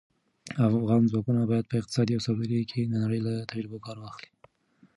افغان ځوانان باید په اقتصاد او سوداګرۍ کې د نړۍ له تجربو کار واخلي.